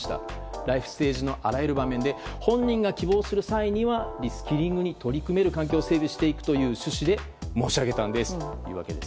ライフステージのあらゆる場面で本人が希望する際にはリスキリングに取り組める環境整備をしていくという趣旨で申し上げたんですというわけです。